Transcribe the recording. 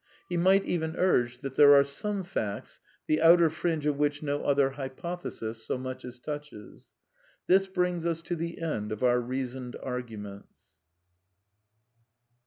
He might even urge that there are some facts the outer fringe of which no other hypothesis so much as touches. This brings us to the end of our reasoned arguments.